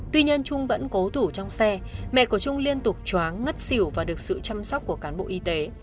tuy nhiên trung vẫn cố thủ trong xe mẹ của trung liên tục choáng ngất xỉu và được sự chăm sóc của cán bộ y tế